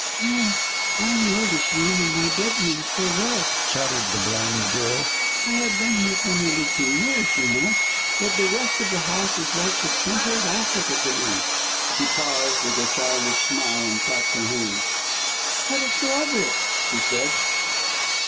"Oh, I know this room and my bedroom so well," chattered the blind girl. "I have been here for nearly two years, you know. But the rest of the house is like the centre of Africa to me." She paused, with a childish smile, and clapped her hands. "Let us go over it," she said.